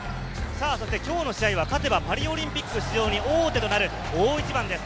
きょうの試合は勝てばパリオリンピック出場に王手となる大一番です。